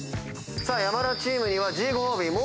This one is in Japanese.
さあ山田チームにはｇご褒美